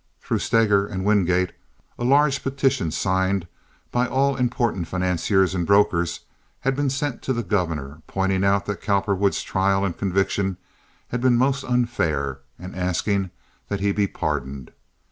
Through Steger and Wingate, a large petition signed by all important financiers and brokers had been sent to the Governor pointing out that Cowperwood's trial and conviction had been most unfair, and asking that he be pardoned.